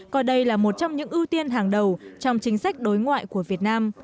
coi đây là một trong những ưu tiên hàng đầu trong chính sách đối ngoại của việt nam